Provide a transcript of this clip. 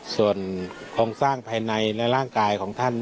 ส่วนโครงสร้างภายในและร่างกายของท่าน